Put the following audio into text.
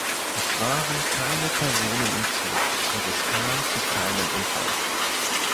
Es waren keine Personen im Zug und es kam zu keinem Unfall.